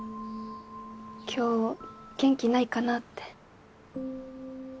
今日元気ないかなって。